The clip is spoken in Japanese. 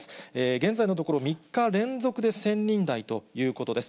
現在のところ、３日連続で１０００人台ということです。